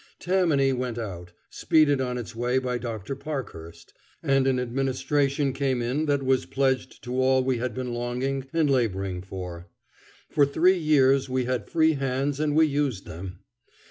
Tammany went out, speeded on its way by Dr. Parkhurst, and an administration came in that was pledged to all we had been longing and laboring for. For three years we had free hands and we used them.